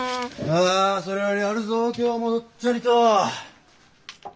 ああそれよりあるぞ今日もどっちゃりと。